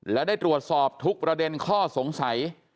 และได้ตรวจสอบทุกประเด็นข้อสงสัย